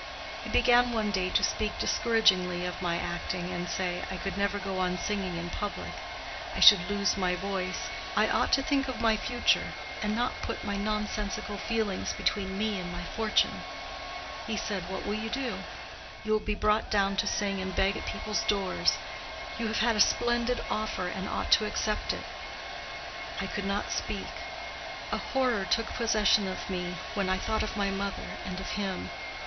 He began one day to speak discouragingly of my acting, and say, I could never go on singing in public—I should lose my voice—I ought to think of my future, and not put my nonsensical feelings between me and my fortune. He said, 'What will you do? You will be brought down to sing and beg at people's doors. You have had a splendid offer and ought to accept it.' I could not speak: a horror took possession of me when I thought of my mother and of him.